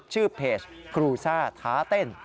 ชื่อเพจครูซ่าท้าเต้น